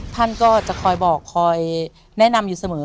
ท่านก็จะคอยบอกคอยแนะนำอยู่เสมอ